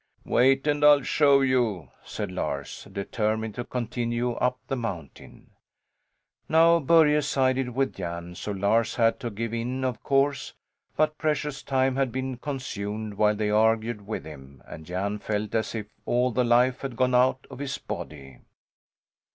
"Wait, and I'll show you," said Lars, determined to continue up the mountain. Now Börje sided with Jan, so Lars had to give in of course; but precious time had been consumed while they argued with him, and Jan felt as if all the life had gone out of his body.